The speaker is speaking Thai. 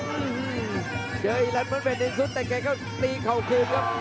อีรันมอนเบนอีกแต่แกก็ตีเขาคนครับ